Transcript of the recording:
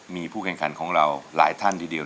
มีผู้แข่งขันของเราหลายท่านทีเดียว